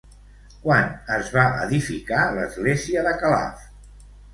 Quan es va edificar l'església de Calaf?